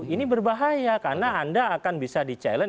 ini berbahaya karena anda akan bisa di challenge